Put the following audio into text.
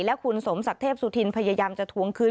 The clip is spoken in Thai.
และคุณสมศักดิ์เทพสุธินพยายามจะทวงคืน